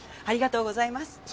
ありがとうございます！